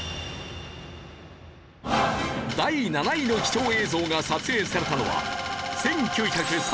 第７位の貴重映像が撮影されたのは。